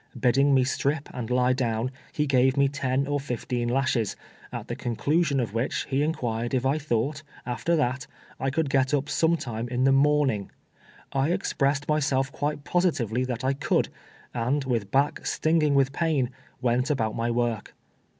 Bidding me strip and lie down, he gave me ten or fifteen lashes, at the conclu sion of which he inquired if I thought, after that, I could get up sometime in the 'inorning. I expressed myself quite positively that I could, and, with back stinging with pain, went about my work.